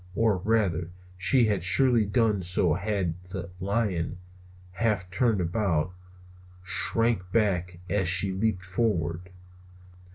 Or rather, she had surely done so had not the lion, half turned about, shrank back as she leaped forward.